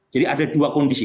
jadi ada dua kondisi